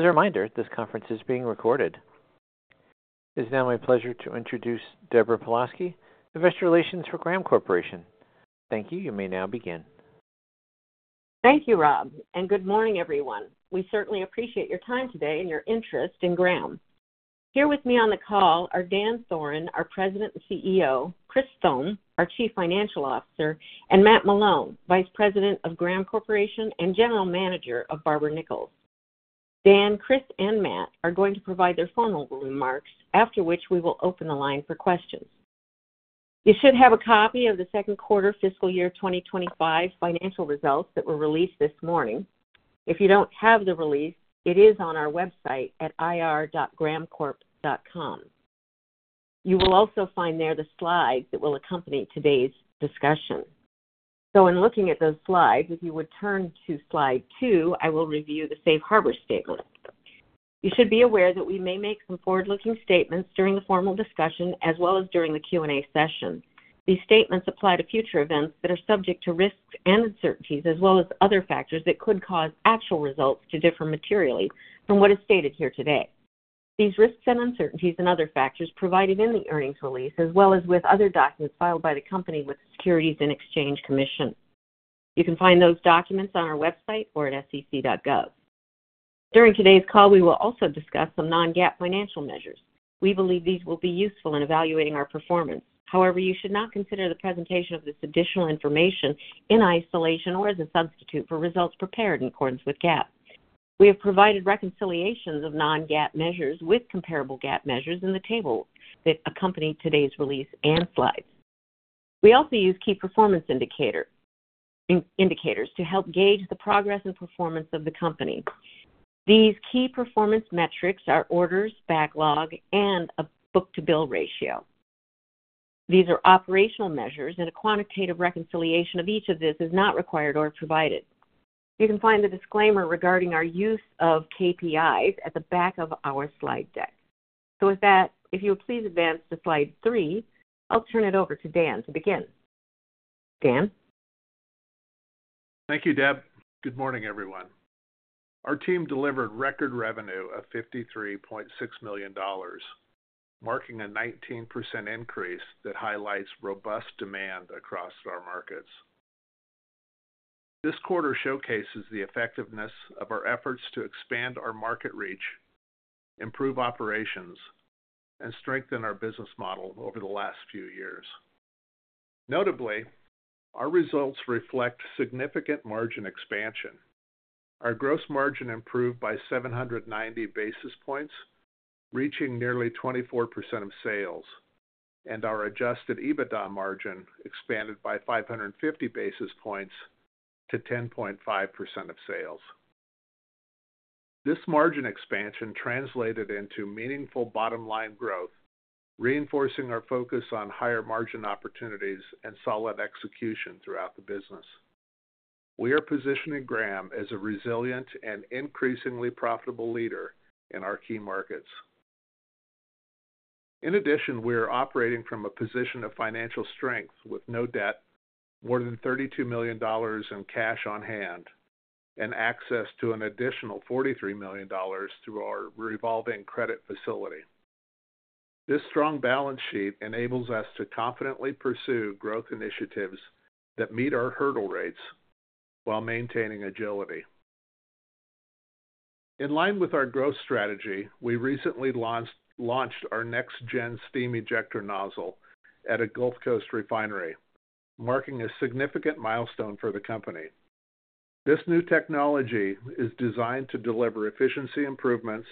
As a reminder, this conference is being recorded. It is now my pleasure to introduce Deborah Pawlowski, Investor Relations for Graham Corporation. Thank you. You may now begin. Thank you, Rob, and good morning, everyone. We certainly appreciate your time today and your interest in Graham. Here with me on the call are Dan Thoren, our President and CEO, Chris Thome, our Chief Financial Officer, and Matt Malone, Vice President of Graham Corporation and General Manager of Barber-Nichols. Dan, Chris, and Matt are going to provide their formal remarks, after which we will open the line for questions. You should have a copy of the Q2 fiscal year 2025 financial results that were released this morning. If you don't have the release, it is on our website at ir.grahamcorp.com. You will also find there the slides that will accompany today's discussion. So, in looking at those slides, if you would turn to slide two, I will review the safe harbor statement. You should be aware that we may make some forward-looking statements during the formal discussion as well as during the Q&A session. These statements apply to future events that are subject to risks and uncertainties, as well as other factors that could cause actual results to differ materially from what is stated here today. These risks and uncertainties and other factors are provided in the earnings release, as well as with other documents filed by the company with the Securities and Exchange Commission. You can find those documents on our website or at sec.gov. During today's call, we will also discuss some non-GAAP financial measures. We believe these will be useful in evaluating our performance. However, you should not consider the presentation of this additional information in isolation or as a substitute for results prepared in accordance with GAAP. We have provided reconciliations of non-GAAP measures with comparable GAAP measures in the table that accompanied today's release and slides. We also use key performance indicators to help gauge the progress and performance of the company. These key performance metrics are orders, backlog, and a book-to-bill ratio. These are operational measures, and a quantitative reconciliation of each of these is not required or provided. You can find the disclaimer regarding our use of KPIs at the back of our slide deck. So, with that, if you would please advance to slide three, I'll turn it over to Dan to begin. Dan? Thank you, Deb. Good morning, everyone. Our team delivered record revenue of $53.6 million, marking a 19% increase that highlights robust demand across our markets. This quarter showcases the effectiveness of our efforts to expand our market reach, improve operations, and strengthen our business model over the last few years. Notably, our results reflect significant margin expansion. Our gross margin improved by 790 basis points, reaching nearly 24% of sales, and our adjusted EBITDA margin expanded by 550 basis points to 10.5% of sales. This margin expansion translated into meaningful bottom-line growth, reinforcing our focus on higher margin opportunities and solid execution throughout the business. We are positioning Graham as a resilient and increasingly profitable leader in our key markets. In addition, we are operating from a position of financial strength with no debt, more than $32 million in cash on hand, and access to an additional $43 million through our revolving credit facility. This strong balance sheet enables us to confidently pursue growth initiatives that meet our hurdle rates while maintaining agility. In line with our growth strategy, we recently launched our next-gen steam ejector nozzle at a Gulf Coast refinery, marking a significant milestone for the company. This new technology is designed to deliver efficiency improvements,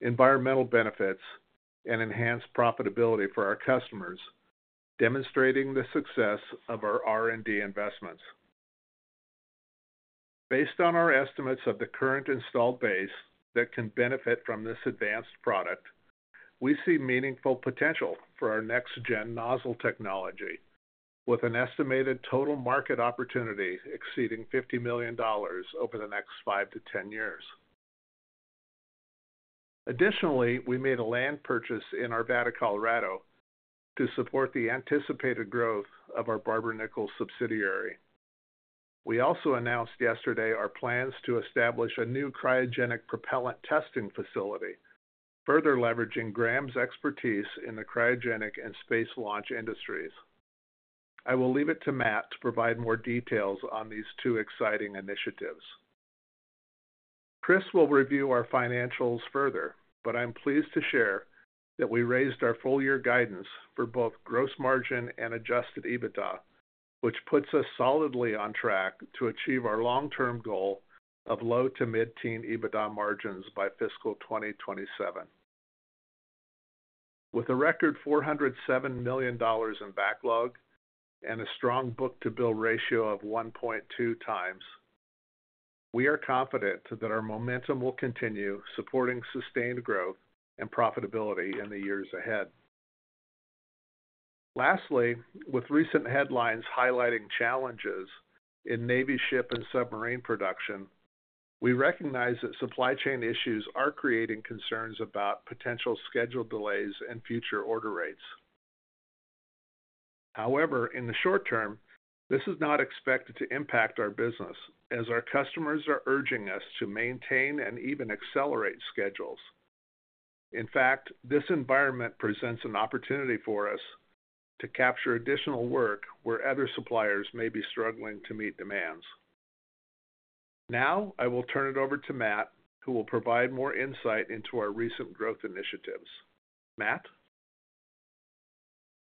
environmental benefits, and enhanced profitability for our customers, demonstrating the success of our R&D investments. Based on our estimates of the current installed base that can benefit from this advanced product, we see meaningful potential for our next-gen nozzle technology, with an estimated total market opportunity exceeding $50 million over the next five to 10 years. Additionally, we made a land purchase in Arvada, Colorado, to support the anticipated growth of our Barber-Nichols subsidiary. We also announced yesterday our plans to establish a new cryogenic propellant testing facility, further leveraging Graham's expertise in the cryogenic and space launch industries. I will leave it to Matt to provide more details on these two exciting initiatives. Chris will review our financials further, but I'm pleased to share that we raised our full-year guidance for both gross margin and adjusted EBITDA, which puts us solidly on track to achieve our long-term goal of low to mid-teen EBITDA margins by fiscal 2027. With a record $407 million in backlog and a strong book-to-bill ratio of 1.2 times, we are confident that our momentum will continue supporting sustained growth and profitability in the years ahead. Lastly, with recent headlines highlighting challenges in Navy ship and submarine production, we recognize that supply chain issues are creating concerns about potential schedule delays and future order rates. However, in the short term, this is not expected to impact our business, as our customers are urging us to maintain and even accelerate schedules. In fact, this environment presents an opportunity for us to capture additional work where other suppliers may be struggling to meet demands. Now, I will turn it over to Matt, who will provide more insight into our recent growth initiatives. Matt?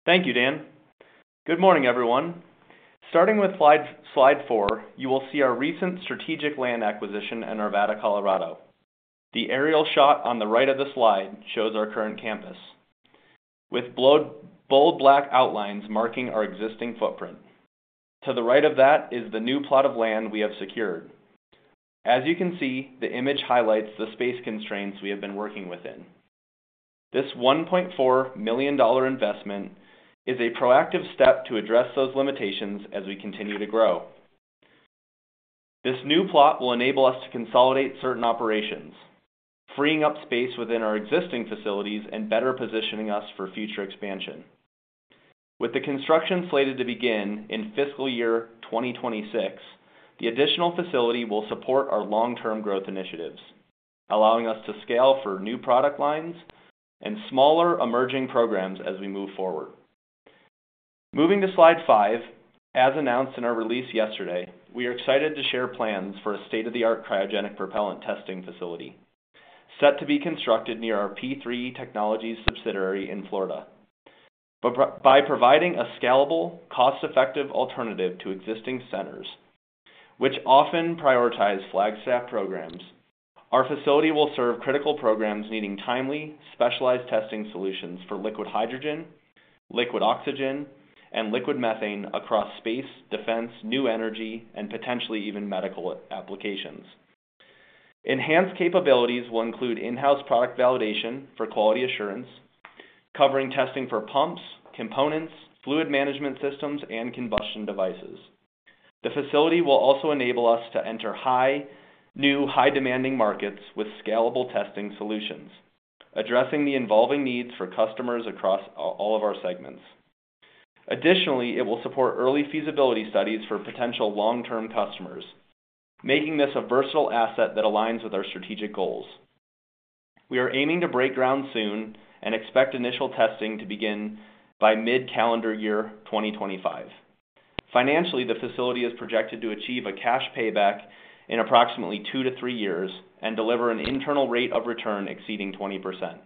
Thank you, Dan. Good morning, everyone. Starting with slide four, you will see our recent strategic land acquisition in Arvada, Colorado. The aerial shot on the right of the slide shows our current campus, with bold black outlines marking our existing footprint. To the right of that is the new plot of land we have secured. As you can see, the image highlights the space constraints we have been working within. This $1.4 million investment is a proactive step to address those limitations as we continue to grow. This new plot will enable us to consolidate certain operations, freeing up space within our existing facilities and better positioning us for future expansion. With the construction slated to begin in fiscal year 2026, the additional facility will support our long-term growth initiatives, allowing us to scale for new product lines and smaller emerging programs as we move forward. Moving to slide five, as announced in our release yesterday, we are excited to share plans for a state-of-the-art cryogenic propellant testing facility set to be constructed near our P3 Technologies subsidiary in Florida. By providing a scalable, cost-effective alternative to existing centers, which often prioritize flagship programs, our facility will serve critical programs needing timely, specialized testing solutions for liquid hydrogen, liquid oxygen, and liquid methane across space, defense, new energy, and potentially even medical applications. Enhanced capabilities will include in-house product validation for quality assurance, covering testing for pumps, components, fluid management systems, and combustion devices. The facility will also enable us to enter new, high-demand markets with scalable testing solutions, addressing the evolving needs for customers across all of our segments. Additionally, it will support early feasibility studies for potential long-term customers, making this a versatile asset that aligns with our strategic goals. We are aiming to break ground soon and expect initial testing to begin by mid-calendar year 2025. Financially, the facility is projected to achieve a cash payback in approximately two to three years and deliver an internal rate of return exceeding 20%.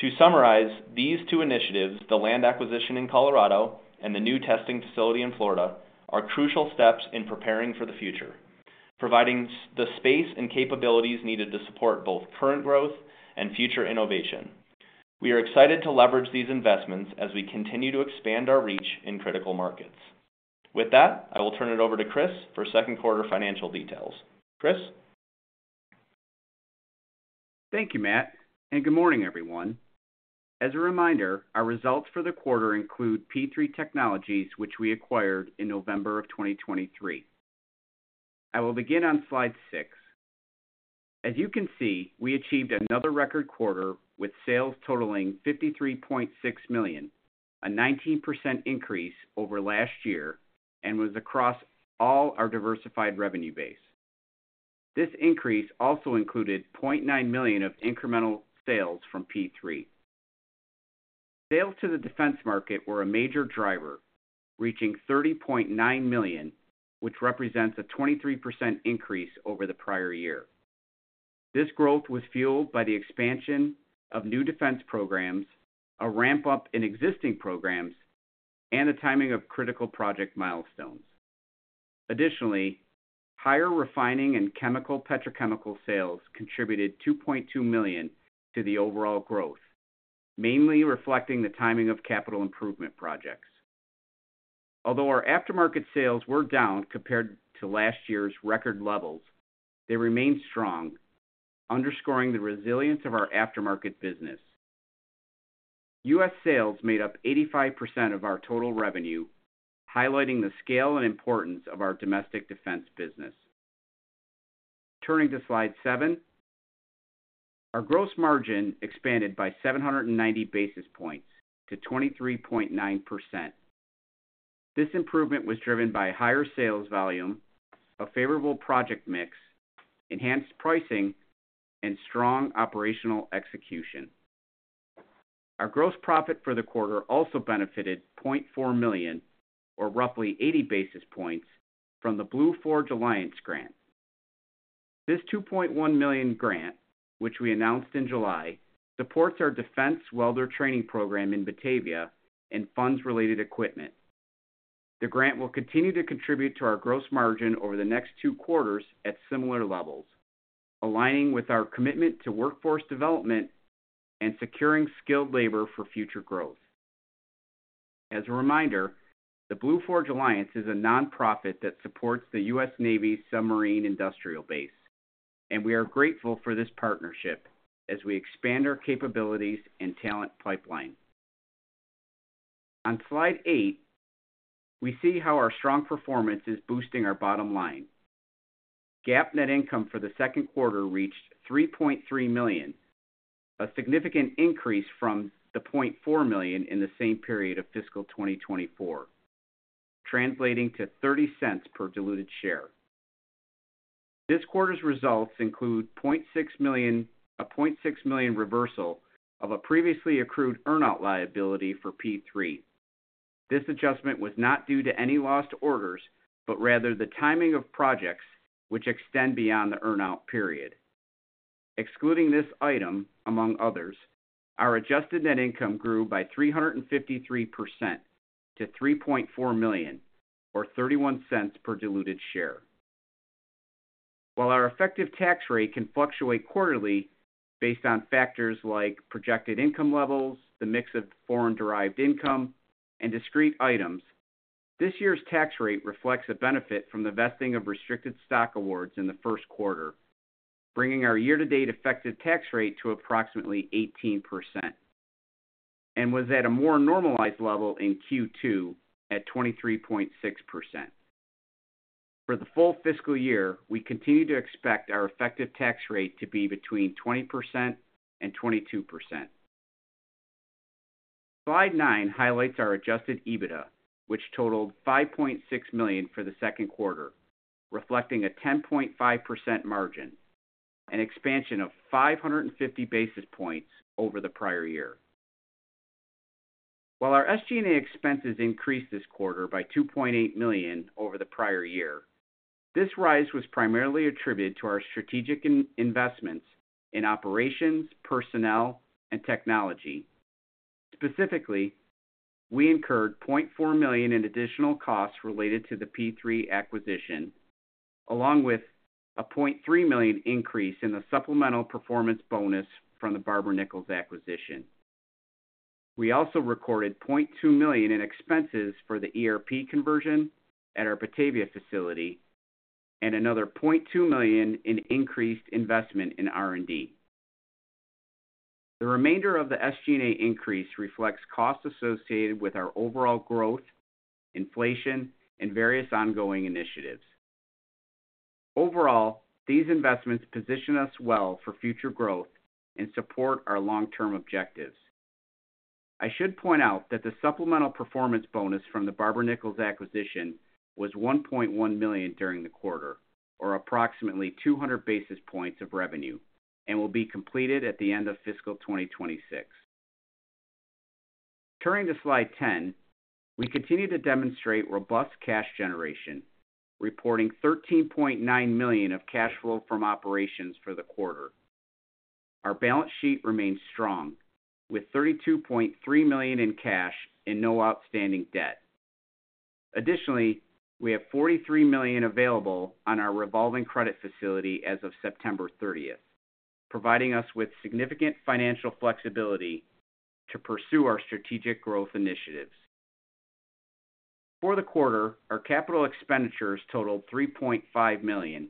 To summarize, these two initiatives, the land acquisition in Colorado and the new testing facility in Florida, are crucial steps in preparing for the future, providing the space and capabilities needed to support both current growth and future innovation. We are excited to leverage these investments as we continue to expand our reach in critical markets. With that, I will turn it over to Chris for Q2 financial details. Chris? Thank you, Matt, and good morning, everyone. As a reminder, our results for the quarter include P3 Technologies, which we acquired in November of 2023. I will begin on slide six. As you can see, we achieved another record quarter with sales totaling $53.6 million, a 19% increase over last year, and was across all our diversified revenue base. This increase also included $0.9 million of incremental sales from P3. Sales to the defense market were a major driver, reaching $30.9 million, which represents a 23% increase over the prior year. This growth was fueled by the expansion of new defense programs, a ramp-up in existing programs, and the timing of critical project milestones. Additionally, higher refining and chemical-petrochemical sales contributed $2.2 million to the overall growth, mainly reflecting the timing of capital improvement projects. Although our aftermarket sales were down compared to last year's record levels, they remained strong, underscoring the resilience of our aftermarket business. U.S. sales made up 85% of our total revenue, highlighting the scale and importance of our domestic defense business. Turning to slide seven, our gross margin expanded by 790 basis points to 23.9%. This improvement was driven by higher sales volume, a favorable project mix, enhanced pricing, and strong operational execution. Our gross profit for the quarter also benefited $0.4 million, or roughly 80 basis points, from the Blue Forge Alliance grant. This $2.1 million grant, which we announced in July, supports our defense welder training program in Batavia and funds-related equipment. The grant will continue to contribute to our gross margin over the next two quarters at similar levels, aligning with our commitment to workforce development and securing skilled labor for future growth. As a reminder, the Blue Forge Alliance is a nonprofit that supports the U.S. Navy's submarine industrial base, and we are grateful for this partnership as we expand our capabilities and talent pipeline. On slide eight, we see how our strong performance is boosting our bottom line. GAAP net income for the Q2 reached $3.3 million, a significant increase from the $0.4 million in the same period of fiscal 2024, translating to $0.30 per diluted share. This quarter's results include a $0.6 million reversal of a previously accrued earnout liability for P3. This adjustment was not due to any lost orders, but rather the timing of projects which extend beyond the earnout period. Excluding this item, among others, our adjusted net income grew by 353% to $3.4 million, or $0.31 per diluted share. While our effective tax rate can fluctuate quarterly based on factors like projected income levels, the mix of foreign-derived income, and discrete items, this year's tax rate reflects a benefit from the vesting of restricted stock awards in the Q1, bringing our year-to-date effective tax rate to approximately 18%, and was at a more normalized level in Q2 at 23.6%. For the full fiscal year, we continue to expect our effective tax rate to be between 20% and 22%. Slide nine highlights our Adjusted EBITDA, which totaled $5.6 million for the Q2, reflecting a 10.5% margin, an expansion of 550 basis points over the prior year. While our SG&A expenses increased this quarter by $2.8 million over the prior year, this rise was primarily attributed to our strategic investments in operations, personnel, and technology. Specifically, we incurred $0.4 million in additional costs related to the P3 acquisition, along with a $0.3 million increase in the supplemental performance bonus from the Barber-Nichols acquisition. We also recorded $0.2 million in expenses for the ERP conversion at our Batavia facility and another $0.2 million in increased investment in R&D. The remainder of the SG&A increase reflects costs associated with our overall growth, inflation, and various ongoing initiatives. Overall, these investments position us well for future growth and support our long-term objectives. I should point out that the supplemental performance bonus from the Barber-Nichols acquisition was $1.1 million during the quarter, or approximately 200 basis points of revenue, and will be completed at the end of fiscal 2026. Turning to slide 10, we continue to demonstrate robust cash generation, reporting $13.9 million of cash flow from operations for the quarter. Our balance sheet remains strong, with $32.3 million in cash and no outstanding debt. Additionally, we have $43 million available on our revolving credit facility as of September 30th, providing us with significant financial flexibility to pursue our strategic growth initiatives. For the quarter, our capital expenditures totaled $3.5 million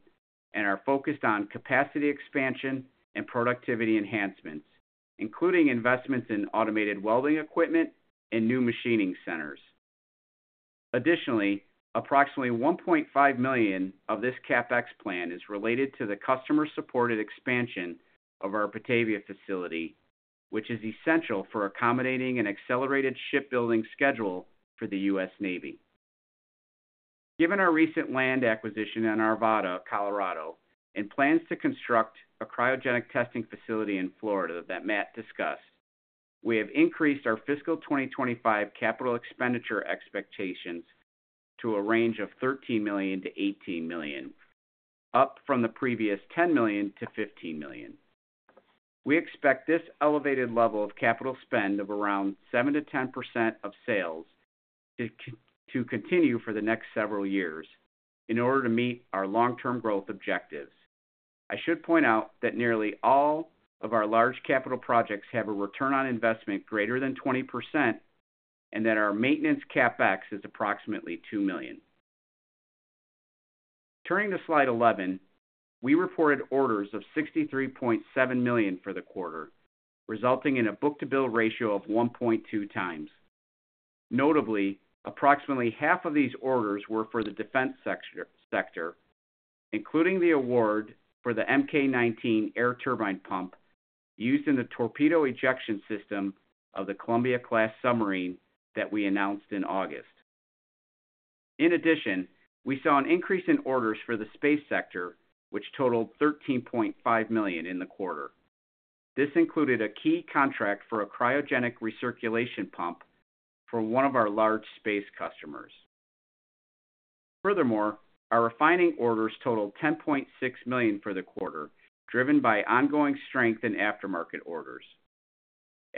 and are focused on capacity expansion and productivity enhancements, including investments in automated welding equipment and new machining centers. Additionally, approximately $1.5 million of this CapEx plan is related to the customer-supported expansion of our Batavia facility, which is essential for accommodating an accelerated shipbuilding schedule for the U.S. Navy. Given our recent land acquisition in Arvada, Colorado, and plans to construct a cryogenic testing facility in Florida that Matt discussed, we have increased our fiscal 2025 capital expenditure expectations to a range of $13 million-$18 million, up from the previous $10 million-$15 million. We expect this elevated level of capital spend of around 7%-10% of sales to continue for the next several years in order to meet our long-term growth objectives. I should point out that nearly all of our large capital projects have a return on investment greater than 20% and that our maintenance CapEx is approximately $2 million. Turning to slide 11, we reported orders of $63.7 million for the quarter, resulting in a book-to-bill ratio of 1.2 times. Notably, approximately half of these orders were for the defense sector, including the award for the Mk 19 air turbine pump used in the torpedo ejection system of the Columbia-class submarine that we announced in August. In addition, we saw an increase in orders for the space sector, which totaled $13.5 million in the quarter. This included a key contract for a cryogenic recirculation pump for one of our large space customers. Furthermore, our refining orders totaled $10.6 million for the quarter, driven by ongoing strength in aftermarket orders.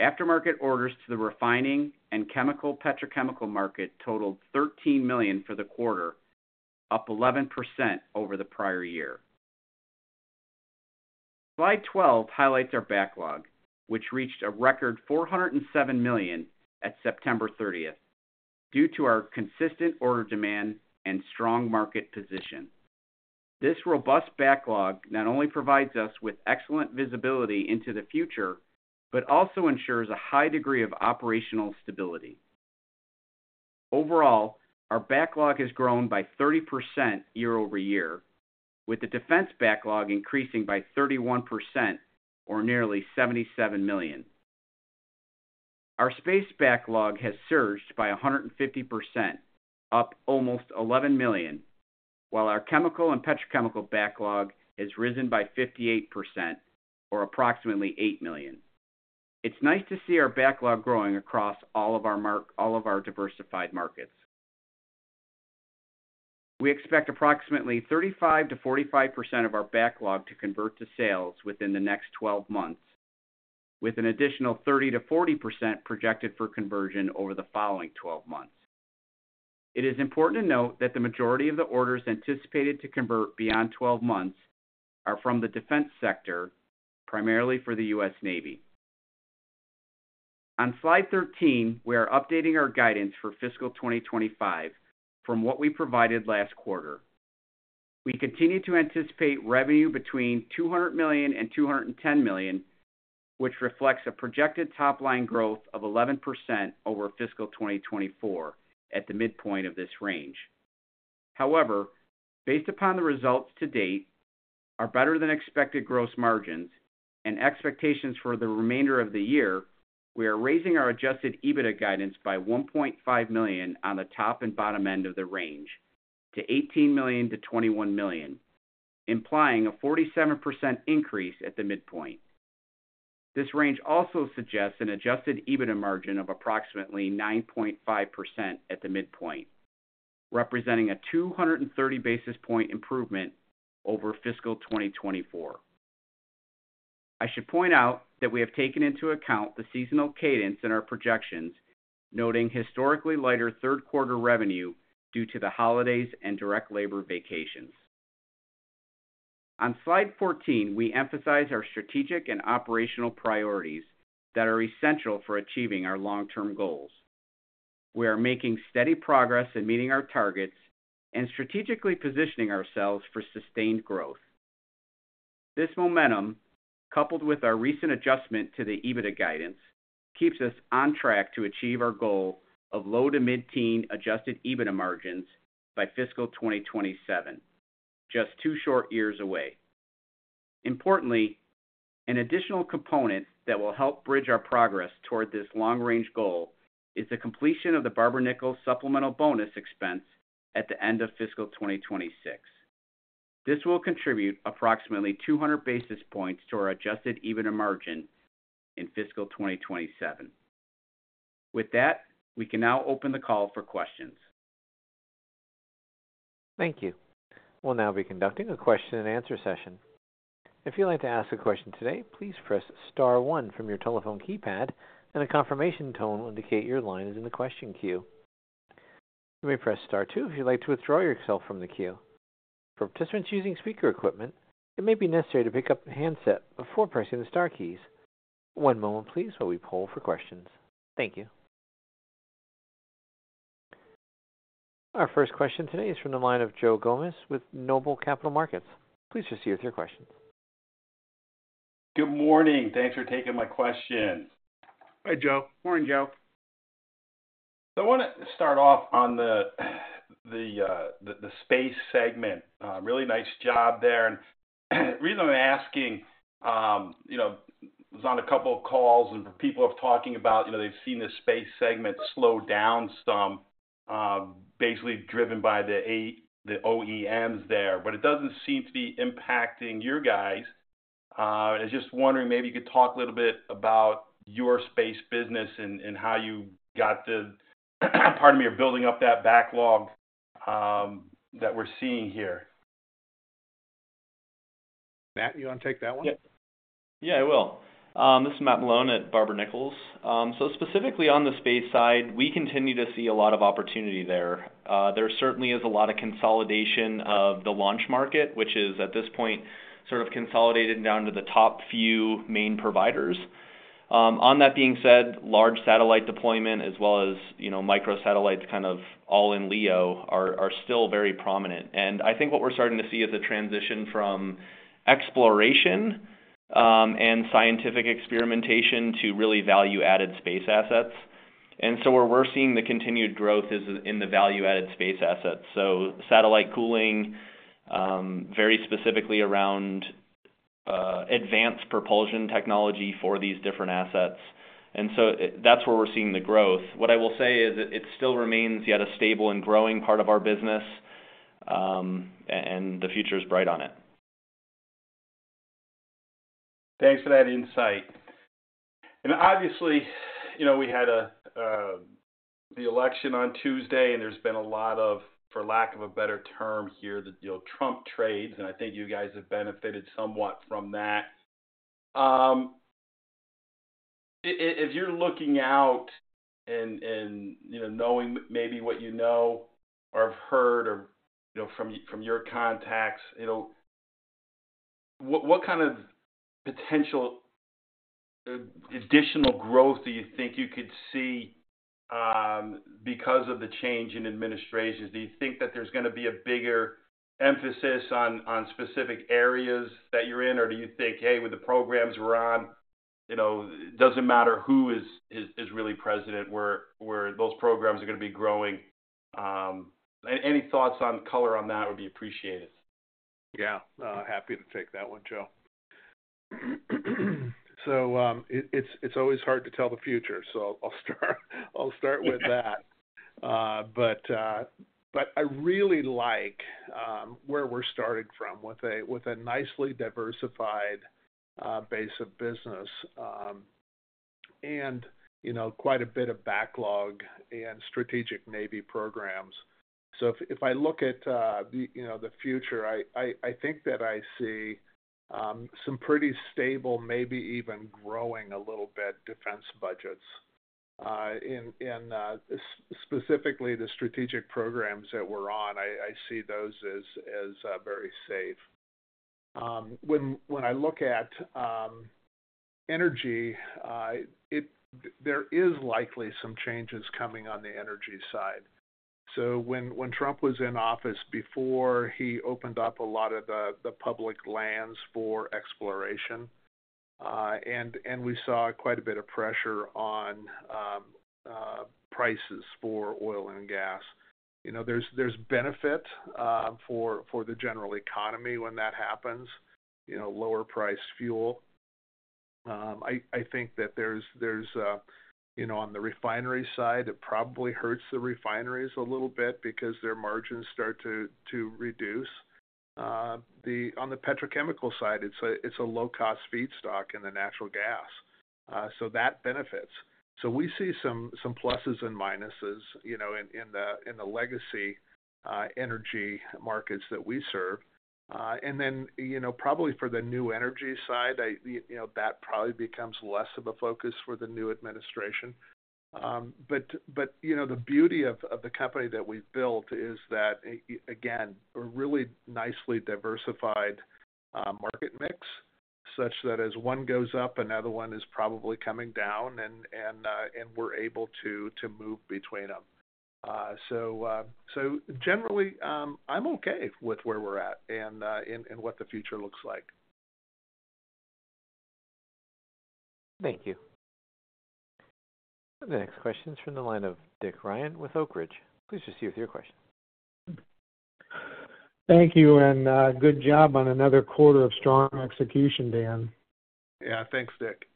Aftermarket orders to the refining and chemical-petrochemical market totaled $13 million for the quarter, up 11% over the prior year. Slide 12 highlights our backlog, which reached a record $407 million at September 30th due to our consistent order demand and strong market position. This robust backlog not only provides us with excellent visibility into the future, but also ensures a high degree of operational stability. Overall, our backlog has grown by 30% year-over-year, with the defense backlog increasing by 31%, or nearly $77 million. Our space backlog has surged by 150%, up almost $11 million, while our chemical and petrochemical backlog has risen by 58%, or approximately $8 million. It's nice to see our backlog growing across all of our diversified markets. We expect approximately 35%-45% of our backlog to convert to sales within the next 12 months, with an additional 30%-40% projected for conversion over the following 12 months. It is important to note that the majority of the orders anticipated to convert beyond 12 months are from the defense sector, primarily for the U.S. Navy. On slide 13, we are updating our guidance for fiscal 2025 from what we provided last quarter. We continue to anticipate revenue between $200 million and $210 million, which reflects a projected top-line growth of 11% over fiscal 2024 at the midpoint of this range. However, based upon the results to date, our better-than-expected gross margins and expectations for the remainder of the year, we are raising our Adjusted EBITDA guidance by $1.5 million on the top and bottom end of the range to $18 million-$21 million, implying a 47% increase at the midpoint. This range also suggests an Adjusted EBITDA margin of approximately 9.5% at the midpoint, representing a 230 basis points improvement over fiscal 2024. I should point out that we have taken into account the seasonal cadence in our projections, noting historically lighter Q3 revenue due to the holidays and direct labor vacations. On slide 14, we emphasize our strategic and operational priorities that are essential for achieving our long-term goals. We are making steady progress in meeting our targets and strategically positioning ourselves for sustained growth. This momentum, coupled with our recent adjustment to the Adjusted EBITDA guidance, keeps us on track to achieve our goal of low-to-mid-teen Adjusted EBITDA margins by fiscal 2027, just two short years away. Importantly, an additional component that will help bridge our progress toward this long-range goal is the completion of the Barber-Nichols supplemental bonus expense at the end of fiscal 2026. This will contribute approximately 200 basis points to our Adjusted EBITDA margin in fiscal 2027. With that, we can now open the call for questions. Thank you. We'll now be conducting a question-and-answer session. If you'd like to ask a question today, please press Star one from your telephone keypad, and a confirmation tone will indicate your line is in the question queue. You may press Star two if you'd like to withdraw yourself from the queue. For participants using speaker equipment, it may be necessary to pick up a handset before pressing the Star keys. One moment, please, while we poll for questions. Thank you. Our first question today is from the line of Joe Gomes with Noble Capital Markets. Please proceed with your questions. Good morning. Thanks for taking my question. Hi, Joe. Morning, Joe. So I want to start off on the space segment. Really nice job there. And the reason I'm asking, I was on a couple of calls, and people are talking about they've seen the space segment slow down some, basically driven by the OEMs there. But it doesn't seem to be impacting your guys. I was just wondering maybe you could talk a little bit about your space business and how you got to, pardon me, are building up that backlog that we're seeing here. Matt, you want to take that one? Yeah, I will. This is Matt Malone at Barber-Nichols. So specifically on the space side, we continue to see a lot of opportunity there. There certainly is a lot of consolidation of the launch market, which is at this point sort of consolidated down to the top few main providers. On that being said, large satellite deployment as well as microsatellites kind of all in LEO are still very prominent. And I think what we're starting to see is a transition from exploration and scientific experimentation to really value-added space assets. And so where we're seeing the continued growth is in the value-added space assets. So satellite cooling, very specifically around advanced propulsion technology for these different assets. And so that's where we're seeing the growth. What I will say is it still remains yet a stable and growing part of our business, and the future is bright on it. Thanks for that insight, and obviously, we had the election on Tuesday, and there's been a lot of, for lack of a better term here, the Trump trades, and I think you guys have benefited somewhat from that. If you're looking out and knowing maybe what you know or have heard from your contacts, what kind of potential additional growth do you think you could see because of the change in administrations? Do you think that there's going to be a bigger emphasis on specific areas that you're in, or do you think, hey, with the programs we're on, it doesn't matter who is really president, where those programs are going to be growing? Any thoughts on color on that would be appreciated. Yeah. Happy to take that one, Joe. So it's always hard to tell the future, so I'll start with that. But I really like where we're starting from with a nicely diversified base of business and quite a bit of backlog and strategic Navy programs. So if I look at the future, I think that I see some pretty stable, maybe even growing a little bit, defense budgets. And specifically the strategic programs that we're on, I see those as very safe. When I look at energy, there is likely some changes coming on the energy side. So when Trump was in office, before he opened up a lot of the public lands for exploration, and we saw quite a bit of pressure on prices for oil and gas, there's benefit for the general economy when that happens, lower-priced fuel. I think that there's, on the refinery side, it probably hurts the refineries a little bit because their margins start to reduce. On the petrochemical side, it's a low-cost feedstock in the natural gas, so that benefits. So we see some pluses and minuses in the legacy energy markets that we serve. And then probably for the new energy side, that probably becomes less of a focus for the new administration. But the beauty of the company that we've built is that, again, a really nicely diversified market mix such that as one goes up, another one is probably coming down, and we're able to move between them. So generally, I'm okay with where we're at and what the future looks like. Thank you. The next question is from the line of Dick Ryan with Oak Ridge. Please proceed with your question. Thank you and good job on another quarter of strong execution, Dan. Yeah. Thanks, Dick.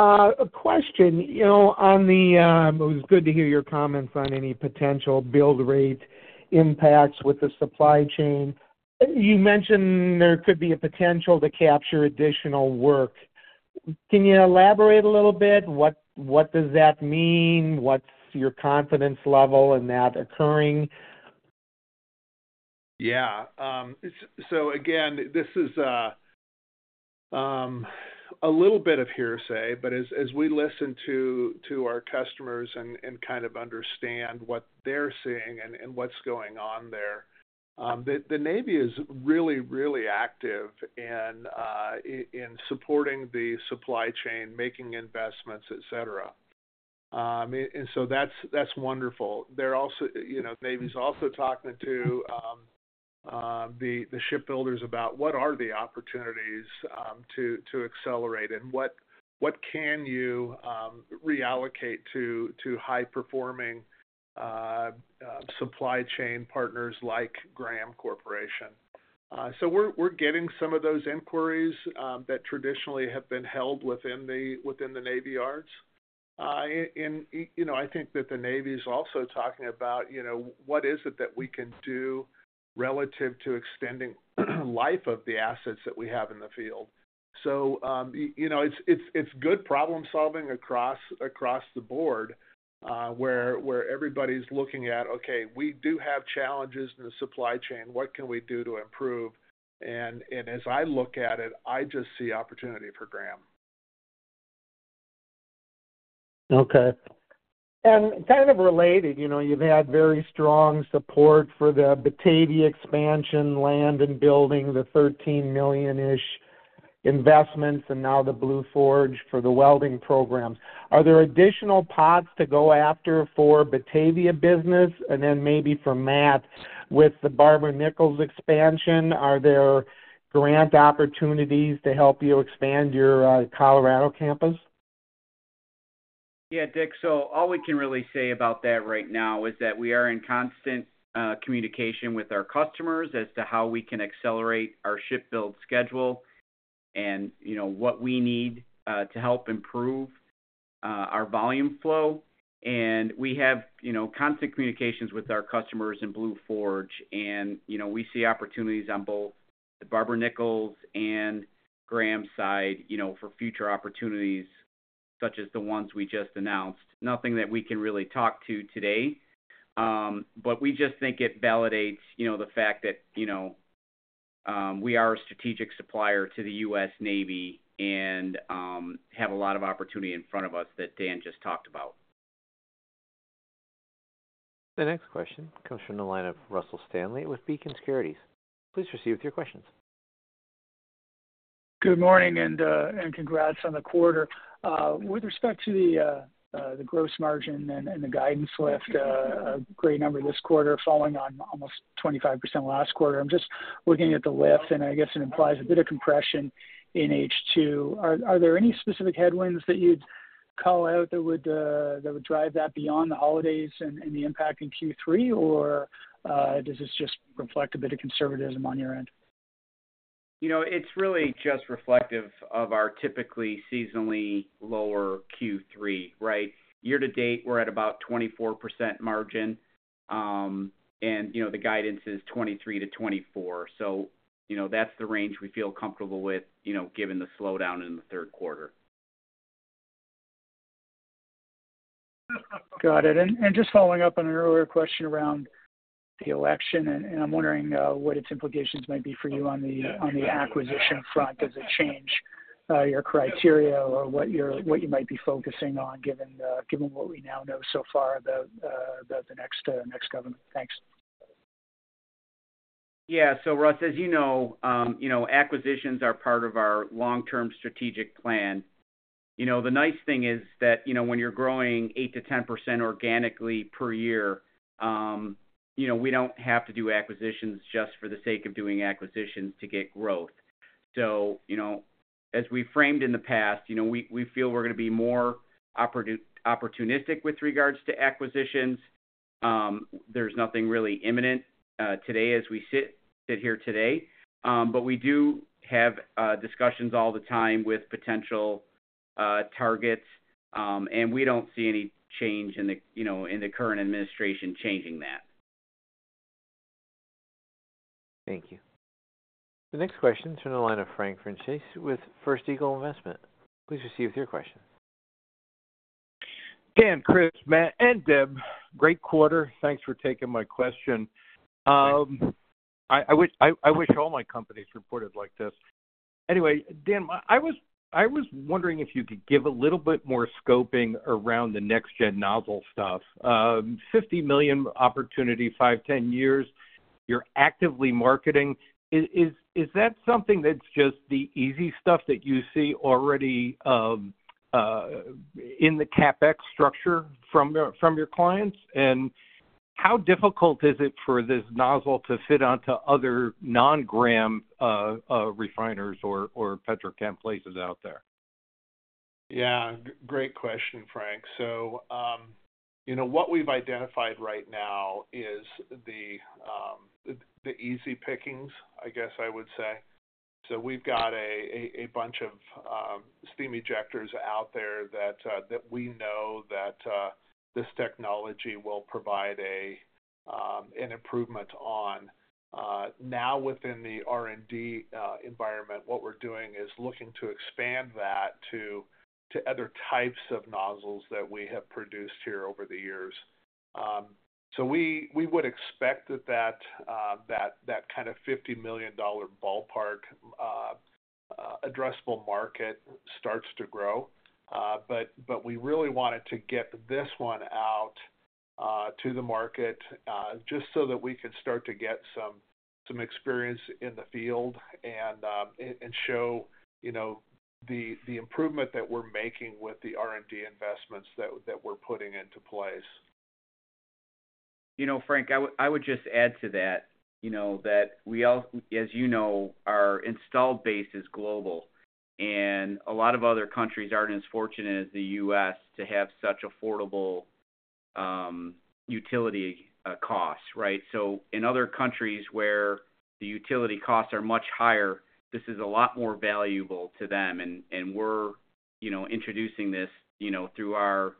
A question. It was good to hear your comments on any potential build rate impacts with the supply chain. You mentioned there could be a potential to capture additional work. Can you elaborate a little bit? What does that mean? What's your confidence level in that occurring? Yeah. So again, this is a little bit of hearsay, but as we listen to our customers and kind of understand what they're seeing and what's going on there, the Navy is really, really active in supporting the supply chain, making investments, etc. And so that's wonderful. The Navy's also talking to the shipbuilders about what are the opportunities to accelerate and what can you reallocate to high-performing supply chain partners like Graham Corporation. So we're getting some of those inquiries that traditionally have been held within the Navy yards. And I think that the Navy's also talking about what is it that we can do relative to extending life of the assets that we have in the field. So it's good problem-solving across the board where everybody's looking at, "Okay, we do have challenges in the supply chain. What can we do to improve?" And as I look at it, I just see opportunity for Graham. Okay. And kind of related, you've had very strong support for the Batavia expansion, land and building, the $13 million-ish investments, and now the Blue Forge for the welding programs. Are there additional pots to go after for Batavia business? And then maybe for Matt, with the Barber-Nichols expansion, are there grant opportunities to help you expand your Colorado campus? Yeah, Dick. So all we can really say about that right now is that we are in constant communication with our customers as to how we can accelerate our shipbuilding schedule and what we need to help improve our volume flow. And we have constant communications with our customers and Blue Forge, and we see opportunities on both the Barber-Nichols and Graham side for future opportunities such as the ones we just announced. Nothing that we can really talk to today, but we just think it validates the fact that we are a strategic supplier to the U.S. Navy and have a lot of opportunity in front of us that Dan just talked about. The next question comes from the line of Russell Stanley with Beacon Securities. Please proceed with your questions. Good morning and congrats on the quarter. With respect to the gross margin and the guidance lift, a great number this quarter falling on almost 25% last quarter. I'm just looking at the lift, and I guess it implies a bit of compression in H2. Are there any specific headwinds that you'd call out that would drive that beyond the holidays and the impact in Q3, or does this just reflect a bit of conservatism on your end? It's really just reflective of our typically seasonally lower Q3, right? Year to date, we're at about 24% margin, and the guidance is 23%-24%. So that's the range we feel comfortable with given the slowdown in the Q3. Got it. And just following up on an earlier question around the election, and I'm wondering what its implications might be for you on the acquisition front. Does it change your criteria or what you might be focusing on given what we now know so far about the next government? Thanks. Yeah. So Russ, as you know, acquisitions are part of our long-term strategic plan. The nice thing is that when you're growing 8%-10% organically per year, we don't have to do acquisitions just for the sake of doing acquisitions to get growth. So as we framed in the past, we feel we're going to be more opportunistic with regards to acquisitions. There's nothing really imminent today as we sit here today, but we do have discussions all the time with potential targets, and we don't see any change in the current administration changing that. Thank you. The next question is from the line of Frank Francese with First Eagle Investment. Please proceed with your questions. Dan, Chris, Matt, and Deb. Great quarter. Thanks for taking my question. I wish all my companies reported like this. Anyway, Dan, I was wondering if you could give a little bit more scoping around the next-gen nozzle stuff. $50 million opportunity, 5-10 years, you're actively marketing. Is that something that's just the easy stuff that you see already in the CapEx structure from your clients? And how difficult is it for this nozzle to fit onto other non-Graham refiners or petrochem places out there? Yeah. Great question, Frank. So what we've identified right now is the easy pickings, I guess I would say. So we've got a bunch of steam ejectors out there that we know that this technology will provide an improvement on. Now, within the R&D environment, what we're doing is looking to expand that to other types of nozzles that we have produced here over the years. So we would expect that that kind of $50 million ballpark addressable market starts to grow. But we really wanted to get this one out to the market just so that we could start to get some experience in the field and show the improvement that we're making with the R&D investments that we're putting into place. Frank, I would just add to that that we, as you know, our installed base is global, and a lot of other countries aren't as fortunate as the U.S. to have such affordable utility costs, right? So in other countries where the utility costs are much higher, this is a lot more valuable to them. And we're introducing this through our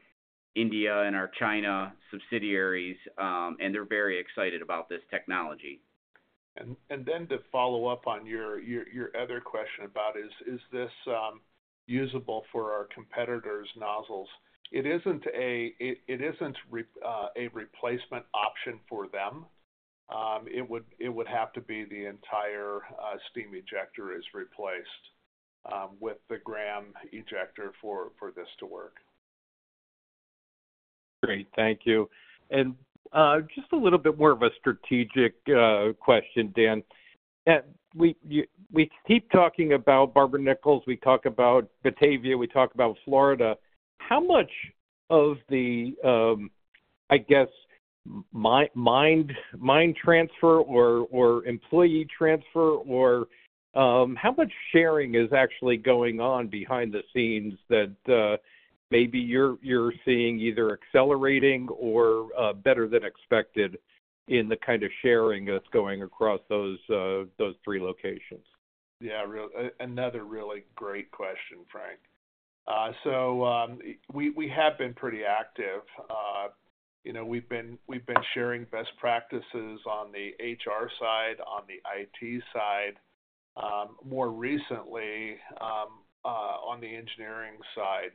India and our China subsidiaries, and they're very excited about this technology. And then to follow up on your other question about, is this usable for our competitors' nozzles? It isn't a replacement option for them. It would have to be the entire steam ejector is replaced with the Graham ejector for this to work. Great. Thank you. And just a little bit more of a strategic question, Dan. We keep talking about Barber-Nichols. We talk about Batavia. We talk about Florida. How much of the, I guess, mind transfer or employee transfer, or how much sharing is actually going on behind the scenes that maybe you're seeing either accelerating or better than expected in the kind of sharing that's going across those three locations? Yeah. Another really great question, Frank. So we have been pretty active. We've been sharing best practices on the HR side, on the IT side, more recently on the engineering side.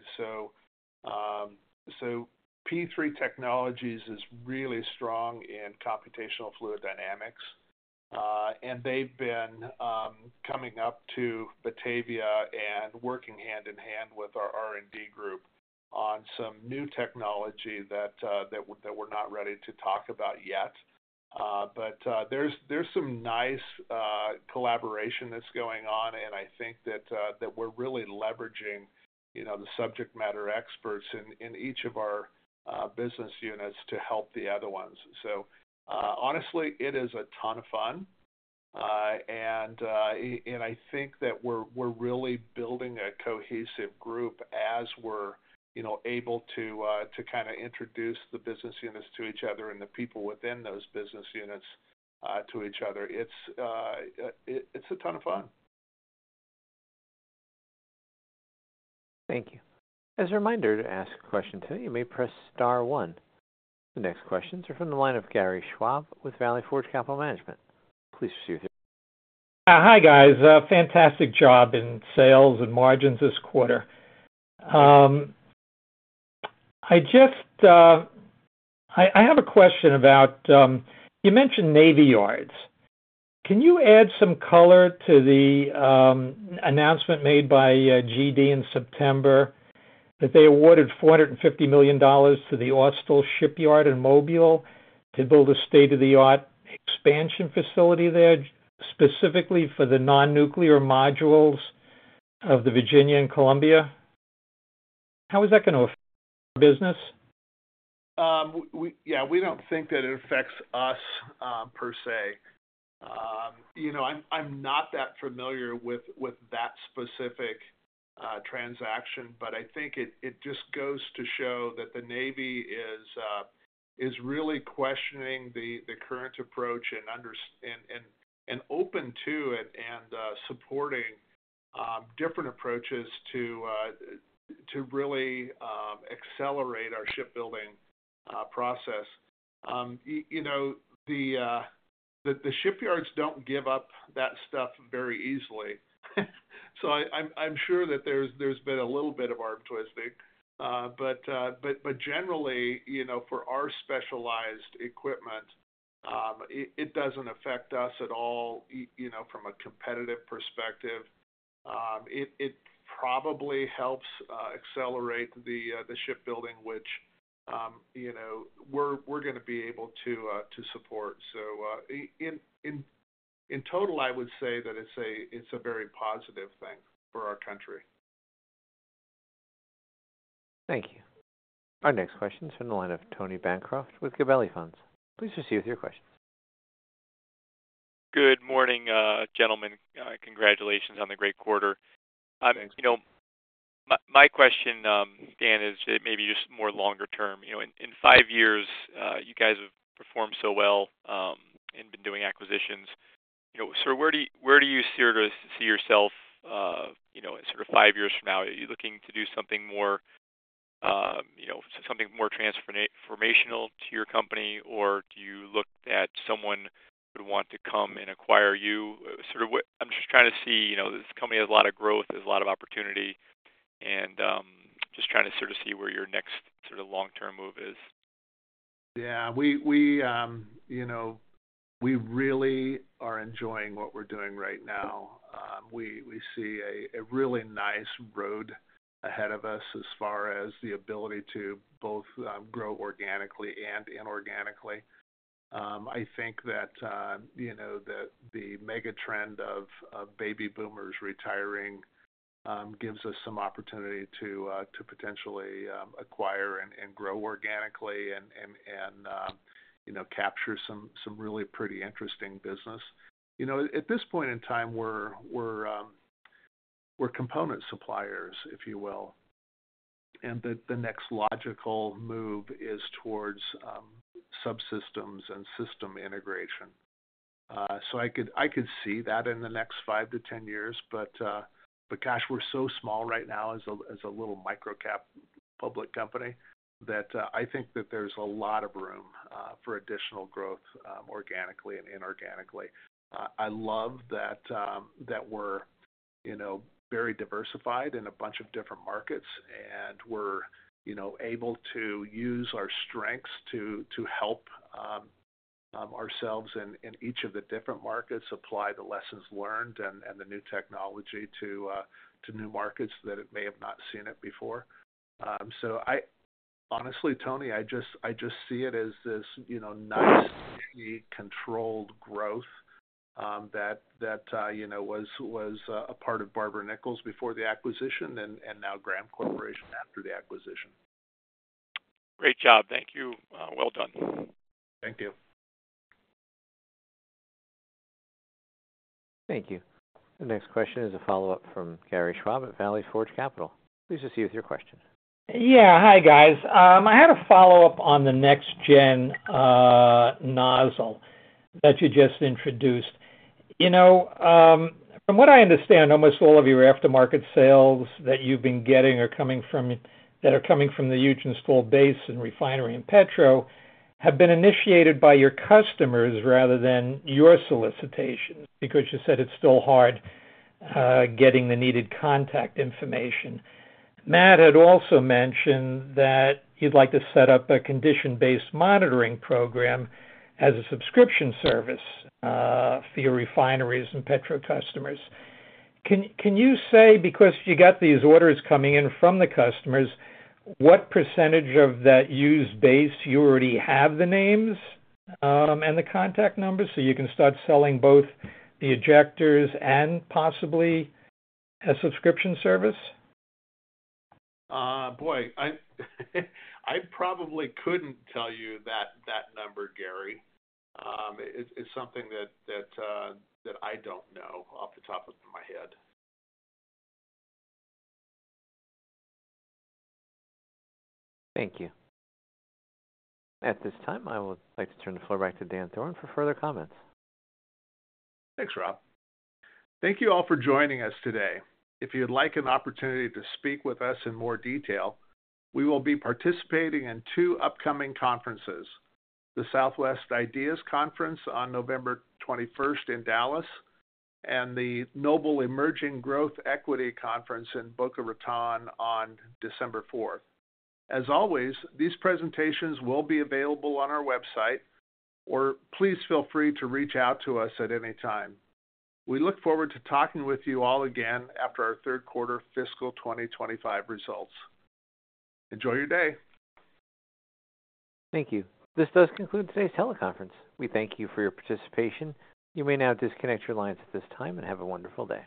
P3 Technologies is really strong in computational fluid dynamics, and they've been coming up to Batavia and working hand in hand with our R&D group on some new technology that we're not ready to talk about yet. But there's some nice collaboration that's going on, and I think that we're really leveraging the subject matter experts in each of our business units to help the other ones. Honestly, it is a ton of fun. I think that we're really building a cohesive group as we're able to kind of introduce the business units to each other and the people within those business units to each other. It's a ton of fun. Thank you. As a reminder to ask a question today, you may press star one. The next questions are from the line of Gary Schwab with Valley Forge Capital Management. Please proceed. Hi, guys. Fantastic job in sales and margins this quarter. I have a question about, you mentioned Navy yards. Can you add some color to the announcement made by GD in September that they awarded $450 million to the Austal Shipyard in Mobile to build a state-of-the-art expansion facility there specifically for the non-nuclear modules of the Virginia and Columbia? How is that going to affect business? Yeah. We don't think that it affects us per se. I'm not that familiar with that specific transaction, but I think it just goes to show that the Navy is really questioning the current approach and open to it and supporting different approaches to really accelerate our shipbuilding process. The shipyards don't give up that stuff very easily. So I'm sure that there's been a little bit of arbitrariness. But generally, for our specialized equipment, it doesn't affect us at all from a competitive perspective. It probably helps accelerate the shipbuilding, which we're going to be able to support. So in total, I would say that it's a very positive thing for our country. Thank you. Our next question is from the line of Tony Bancroft with Gabelli Funds. Please proceed with your questions. Good morning, gentlemen. Congratulations on the great quarter. My question, Dan, is maybe just more longer term. In five years, you guys have performed so well and been doing acquisitions. So where do you see yourself sort of five years from now? Are you looking to do something more transformational to your company, or do you look at someone who would want to come and acquire you? I'm just trying to see this company has a lot of growth, has a lot of opportunity, and just trying to sort of see where your next sort of long-term move is. Yeah. We really are enjoying what we're doing right now. We see a really nice road ahead of us as far as the ability to both grow organically and inorganically. I think that the mega trend of baby boomers retiring gives us some opportunity to potentially acquire and grow organically and capture some really pretty interesting business. At this point in time, we're component suppliers, if you will, and the next logical move is towards subsystems and system integration, so I could see that in the next five to 10 years, but gosh, we're so small right now as a little micro-cap public company that I think that there's a lot of room for additional growth organically and inorganically. I love that we're very diversified in a bunch of different markets, and we're able to use our strengths to help ourselves in each of the different markets, apply the lessons learned and the new technology to new markets that it may have not seen it before. So honestly, Tony, I just see it as this nicely controlled growth that was a part of Barber-Nichols before the acquisition and now Graham Corporation after the acquisition. Great job. Thank you. Well done. Thank you. Thank you. The next question is a follow-up from Gary Schwab at Valley Forge Capital. Please proceed with your question. Yeah. Hi, guys. I had a follow-up on the next-gen nozzle that you just introduced. From what I understand, almost all of your aftermarket sales that you've been getting or coming from that are coming from the huge installed base and refinery and petro have been initiated by your customers rather than your solicitation because you said it's still hard getting the needed contact information. Matt had also mentioned that you'd like to set up a condition-based monitoring program as a subscription service for your refineries and petro customers. Can you say, because you got these orders coming in from the customers, what percentage of that user base you already have the names and the contact numbers so you can start selling both the ejectors and possibly a subscription service? Boy, I probably couldn't tell you that number, Gary. It's something that I don't know off the top of my head. Thank you. At this time, I would like to turn the floor back to Dan Thoren for further comments. Thanks, Rob. Thank you all for joining us today. If you'd like an opportunity to speak with us in more detail, we will be participating in two upcoming conferences: the Southwest IDEAS Conference on November 21st in Dallas and the Noble Emerging Growth Equity Conference in Boca Raton on December 4th. As always, these presentations will be available on our website, or please feel free to reach out to us at any time. We look forward to talking with you all again after our Q3 fiscal 2025 results. Enjoy your day. Thank you. This does conclude today's teleconference. We thank you for your participation. You may now disconnect your lines at this time and have a wonderful day.